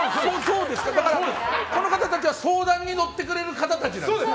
この方たちは相談に乗ってくれる方たちなんですね。